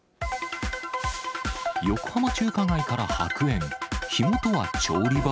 横浜中華街から白煙。